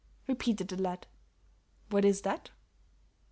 repeated the lad. "What is that?"